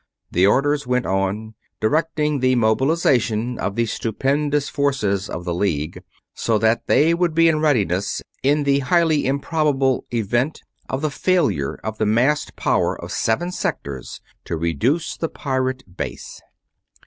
The orders went on, directing the mobilization of the stupendous forces of the League, so that they would be in readiness in the highly improbable event of the failure of the massed power of seven sectors to reduce the pirate base.